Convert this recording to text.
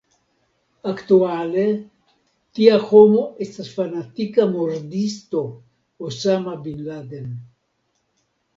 Aktuale tia homo estas fanatika murdisto Osama bin Laden.